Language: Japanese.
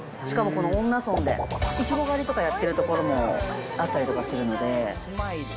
しかもこの恩納村でイチゴ狩りとか、やってるところもあったりとかするので。